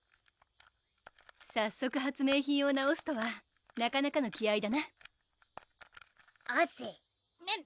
早速発明品を直すとはなかなかの気合だな汗メン！